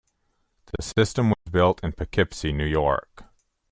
The system was built in Poughkeepsie, New York.